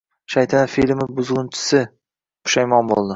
“Shaytanat” filmi “buzgʻunchisi” pushaymon boʻldi